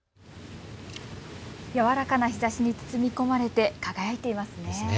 やわらかな日ざしに包み込まれて輝いていますね。